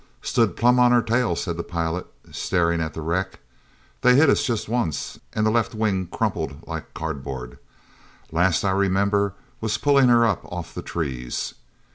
"Stood plumb on her tail," said the pilot, staring at the wreck. "They hit us just once, and the left wing crumpled like cardboard. Last I remember was pulling her up off the trees."